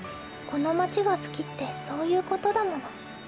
この街が好きってそういう事だもの。